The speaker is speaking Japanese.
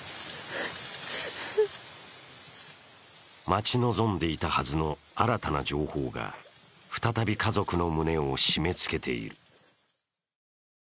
待ち望んでいたはずの新たな情報が、再び家族の胸を締めつけている。